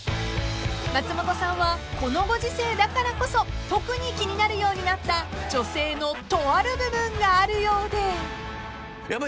［松本さんはこのご時世だからこそ特に気になるようになった女性のとある部分があるようで］